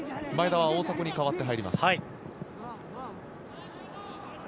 前田は大迫に代わって入ります。